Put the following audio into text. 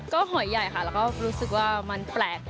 ก็หอยใหญ่ค่ะแล้วก็รู้สึกว่ามันแปลก